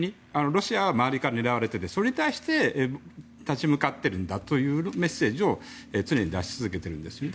ロシアは周りから狙われていてそれに対して立ち向かってるんだというメッセージを常に出し続けているんですね。